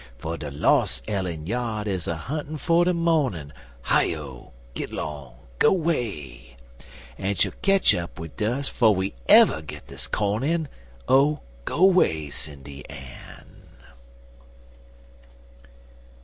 For de los' ell en yard is a huntin' for de mornin' (Hi O! git long! go 'way!) En she'll ketch up wid dus 'fo' we ever git dis corn in. (Oh, go 'way Sindy Ann!)